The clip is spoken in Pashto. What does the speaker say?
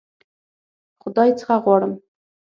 خدای څخه غواړم.